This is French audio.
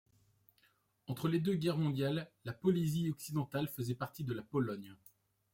Entre les deux guerres mondiales, la Polésie occidentales faisait partie de la Pologne.